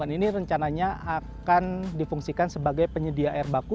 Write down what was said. dan ini rencananya akan difungsikan sebagai penyedia air baku